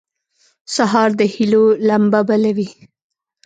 سهار د هيلو لمبه بلوي.